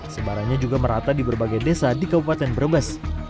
sebarannya juga merata di berbagai desa di kabupaten brebes